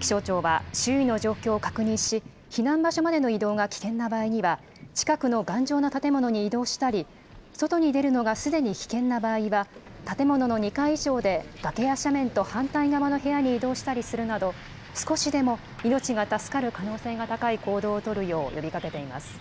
気象庁は、周囲の状況を確認し、避難場所までの移動が危険な場合には、近くの頑丈な建物に移動したり、外に出るのがすでに危険な場合は、建物の２階以上で、崖や斜面と反対側の部屋に移動したりするなど、少しでも命が助かる可能性が高い行動を取るよう呼びかけています。